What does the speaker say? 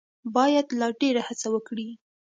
باید لا ډېره هڅه وکړي.